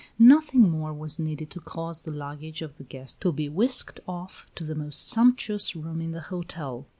Nothing more was needed to cause the luggage of the guest to be whisked off to the most sumptuous room in the hotel.